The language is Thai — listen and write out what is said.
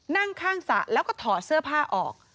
นั่งข้างสระแล้วก็ถอดเสื้อผ้าออก